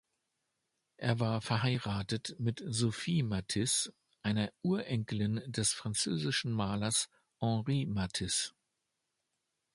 Er war verheiratet mit Sophie Matisse, einer Urenkelin des französischen Malers Henri Matisse.